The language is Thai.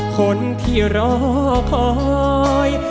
คนที่รอคอย